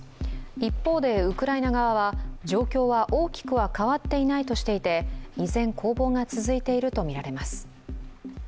一方で、ウクライナ側は状況は大きくは変わっていないとしていて依然、攻防が続いているとみられます。